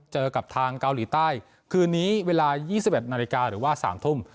เจอกับทางเกาหลีใต้คืนนี้เวลายี่สิบเอ็ดนาฬิกาหรือว่าสามทุ่ม